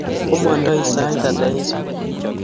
Omondoi sait ata eng' sukul?